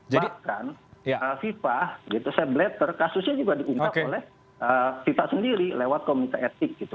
bahkan fifa gitu sebletter kasusnya juga diungkap oleh fifa sendiri lewat komite etik gitu